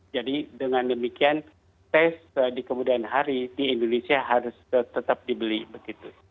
jadi dengan demikian tes di kemudian hari di indonesia harus tetap dibeli begitu